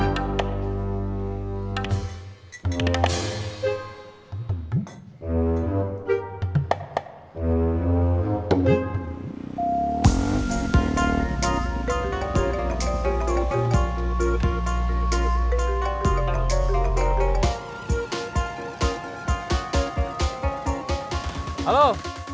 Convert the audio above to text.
teman di dalam jalan